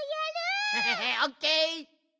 オッケー！